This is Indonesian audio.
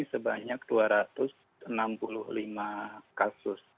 sebanyak dua ratus enam puluh lima kasus